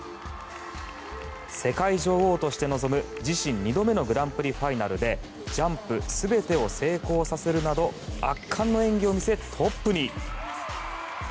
世界女王として臨む自身２度目のグランプリファイナルでジャンプ全てを成功させるなど圧巻の演技を見せ、トップに。